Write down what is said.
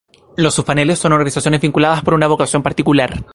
Los sub-paneles son organizaciones vinculadas por una vocación particular.